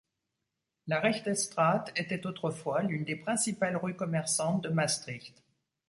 La Rechtestraat était autrefois l'une des principales rues commerçantes de Maastricht.